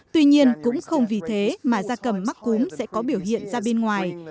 tuy nhiên cũng không vì thế mà da cầm mắc cúm sẽ có biểu hiện ra bên ngoài